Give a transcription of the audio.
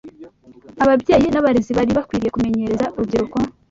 Ababyeyi n’abarezi bari bakwiriye kumenyereza urubyiruko